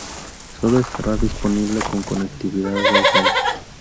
Solo estará disponible con conectividad Wi-Fi.